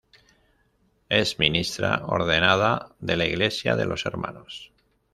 Es ministra ordenada de la Iglesia de los Hermanos.